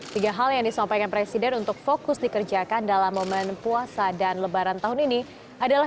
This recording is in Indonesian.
tiga hal yang disampaikan presiden untuk fokus dikerjakan dalam momen puasa dan lebaran tahun ini adalah